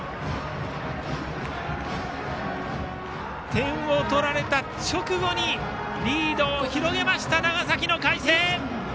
点を取られた直後にリードを広げました、長崎の海星。